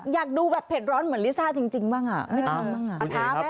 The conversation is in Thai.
อยากดูแบบเผ็ดร้อนเหมือนลิซ่าจริงบ้างอ่ะ